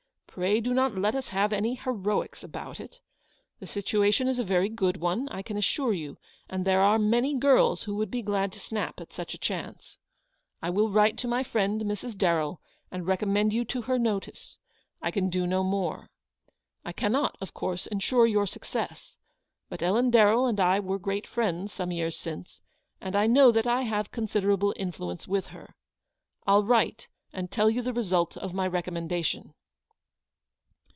" Pray do not let us have any heroics about it. The situation is a very good one, I can assure you ; and there are many girls who would be glad to snap at such a chance. I will write to my friend, Mrs. Darrell, and recommend you to her notice. I can do no more. I cannot, of course, ensure you success ; but Ellen Darrell and I were great friends some years since, and I know that I have considerable influence with her. I'll write and tell you the result of my recommendation."